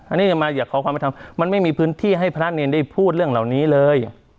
อันนี้จะมาอยากขอความเป็นธรรมมันไม่มีพื้นที่ให้พระเนรได้พูดเรื่องเหล่านี้เลย